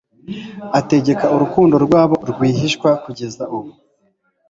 Ategeka urukundo rwabo rwihishwa kugeza ubu